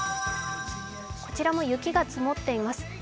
こちらも雪が積もっています。